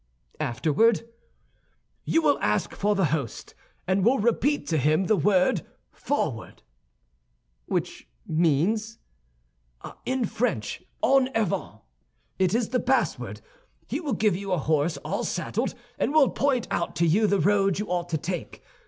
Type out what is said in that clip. "Afterward?" "You will ask for the host, and will repeat to him the word 'Forward!'" "Which means?" "In French, En avant. It is the password. He will give you a horse all saddled, and will point out to you the road you ought to take.